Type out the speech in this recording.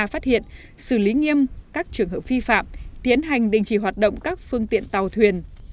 phát hiện xử lý nghiêm các trường hợp vi phạm tiến hành đình chỉ hoạt động các phương tiện tàu thuyền